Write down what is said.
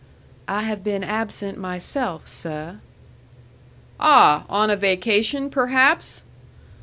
"I have been absent myself, seh." "Ah! On a vacation, perhaps?"